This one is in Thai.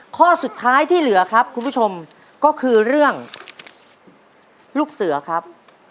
ข้อสุดท้ายที่เหลือครับคุณผู้ชมก็คือเรื่องลูกเสือครับ